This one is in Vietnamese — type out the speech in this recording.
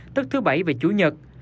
tức thứ bảy và chủ nhật